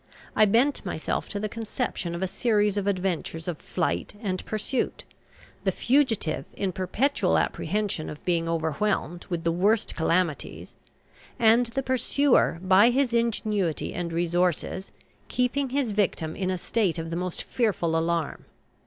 I bent myself to the conception of a series of adventures of flight and pursuit; the fugitive in perpetual apprehension of being overwhelmed with the worst calamities, and the pursuer, by his ingenuity and resources, keeping his victim in a state of the most fearful alarm.